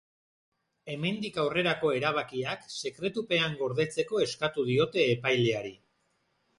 Hemendik aurrerako erabakiak sekretupean gordetzeko eskatu diote epaileari.